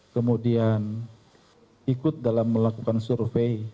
kemudian ikut dalam melakukan survei